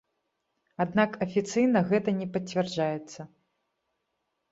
Аднак афіцыйна гэта не пацвярджаецца.